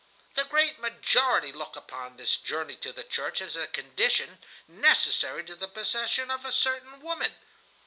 "The great majority look upon this journey to the church as a condition necessary to the possession of a certain woman.